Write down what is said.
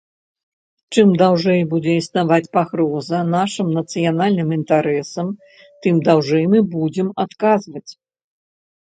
Чым даўжэй будзе існаваць пагроза нашым нацыянальным інтарэсам, тым даўжэй мы будзем адказваць.